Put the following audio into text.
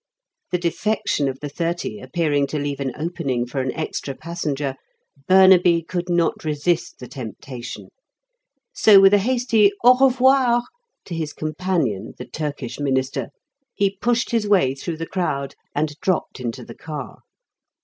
The defection of the Thirty appearing to leave an opening for an extra passenger, Burnaby could not resist the temptation. So with a hasty Au revoir! to his companion, the Turkish Minister, he pushed his way through the crowd and dropped into the car.